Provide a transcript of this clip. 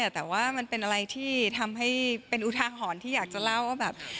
แต่ว่ามันเป็นอะไรที่ทำให้เป็นอุทาหรณ์ที่อยากจะเล่าว่าแบบ